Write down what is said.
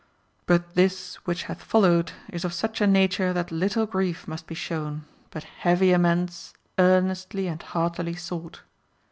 But this which hath followed is of such a nature that little grief must be shown, but heavy timends earnestly and heartily sought.